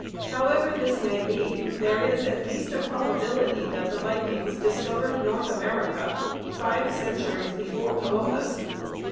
However this may be, there is at least a probability that the Vikings discovered North America five centuries before Columbus.